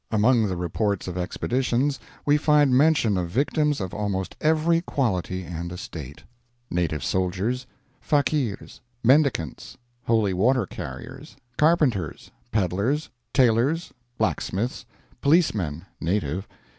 Among the reports of expeditions we find mention of victims of almost every quality and estate: Native soldiers. Fakeers. Mendicants. Holy water carriers. Carpenters. Peddlers. Tailors. Blacksmiths. Policemen (native).